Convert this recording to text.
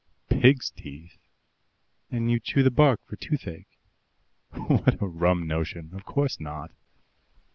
"PIGS' TEETH?" "And you chew the bark for toothache." "What a rum notion! Of course not!"